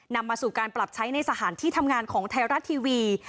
นำมาสู่การปรับใช้ในสถานที่ทำงานของไทยรัฐทีวี